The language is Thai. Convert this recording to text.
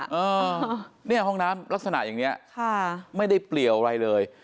เออเนี่ยห้องน้ำลักษณะอย่างนี้ค่ะไม่ได้เปลี่ยวอะไรเลย